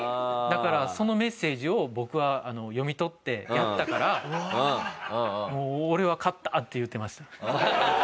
だからそのメッセージを僕は読み取ってやったから俺は勝った！って言ってました。